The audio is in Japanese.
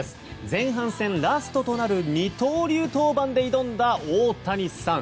前半戦ラストとなる二刀流登板で挑んだ大谷さん。